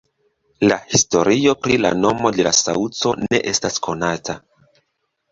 La historio pri la nomo de la saŭco ne estas konata.